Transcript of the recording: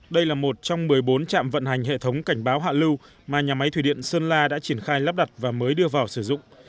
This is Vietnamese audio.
đây là một trong một mươi bốn trạm vận hành hệ thống cảnh báo hạ lưu mà nhà máy thủy điện sơn la đã triển khai lắp đặt và mới đưa vào sử dụng